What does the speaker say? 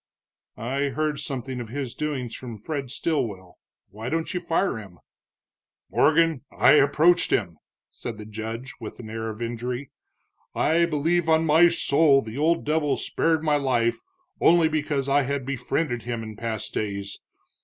"I heard something of his doings from Fred Stilwell. Why don't you fire him?" "Morgan, I approached him," said the judge, with an air of injury. "I believe on my soul the old devil spared my life only because I had befriended him in past days.